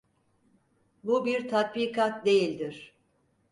Bu bir tatbikat değildir.